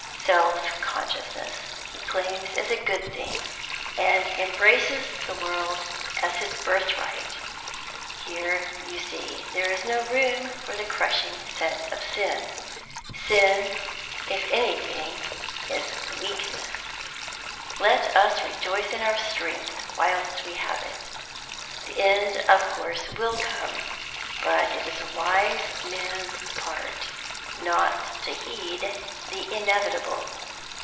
Self consciousness he claims as a good thing, and embraces the world as his birthright. Here, you see, there is no room for the crushing sense of sin. Sin, if anything, is weakness. Let us rejoice in our strength, whilst we have it. The end of course will come, but it is a wise man's part not to heed the inevitable.